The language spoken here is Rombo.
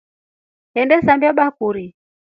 Enasambia bakuri.